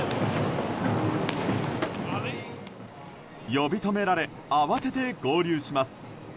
呼び止められ慌てて合流します。